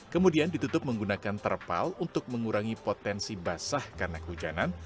kemudian ditutup menggunakan terpal untuk mengurangi potensi basah karena hujanan